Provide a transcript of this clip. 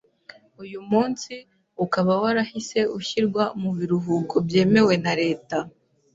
Uyumunsi, ukaba warahise ushyirwa mu biruhuko byemewe na leta